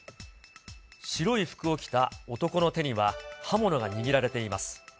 白い服を着た男の手には刃物が握られています。